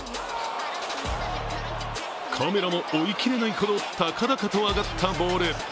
カメラも追い切れないほど高々と上がったボール。